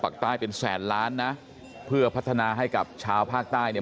ปากใต้เป็นแสนล้านนะเพื่อพัฒนาให้กับชาวภาคใต้เนี่ย